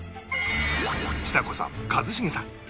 ちさ子さん一茂さん